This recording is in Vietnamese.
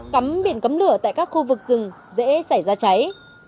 cắm biển cấm lửa tại các khu vực rừng dễ xảy ra cháy